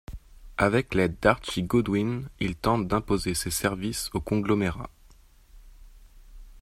Avec l’aide d’Archie Goodwin, il tente d’imposer ses services au conglomérat.